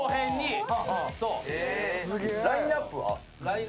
ラインナップは？